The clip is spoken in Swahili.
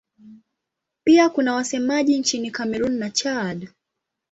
Pia kuna wasemaji nchini Kamerun na Chad.